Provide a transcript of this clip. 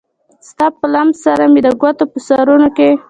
ستا په لمس سره مې د ګوتو په سرونو کې